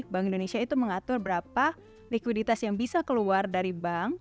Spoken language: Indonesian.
bank indonesia itu mengatur berapa likuiditas yang bisa keluar dari bank